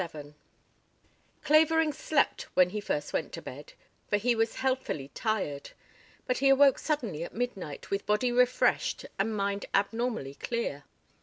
LVII Clavering slept when he first went to bed, for he was healthily tired, but he awoke suddenly at midnight with body refreshed and mind abnormally clear.